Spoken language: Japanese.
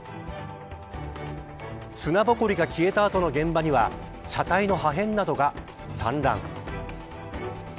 砂ぼこりが消えたあとの現場には車体の破片などが散乱。